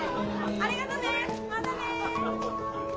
ありがとねまたね。